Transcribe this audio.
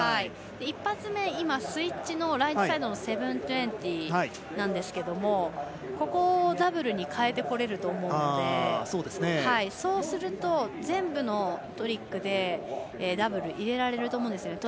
１発目、スイッチライトサイドの７２０なんですけどここをダブルに変えてこれると思うのでそうすると、全部のトリックでダブルを入れられると思うんです。